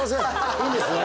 いいんですね。